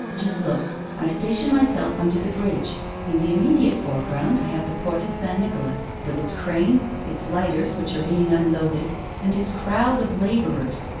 Just look! I station myself under the bridge; in the immediate foreground I have the Port of St. Nicolas, with its crane, its lighters which are being unloaded, and its crowd of labourers.